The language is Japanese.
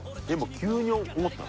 急に思ったの？